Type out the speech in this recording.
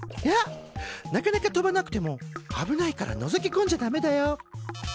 なかなか飛ばなくても危ないからのぞきこんじゃダメだよ。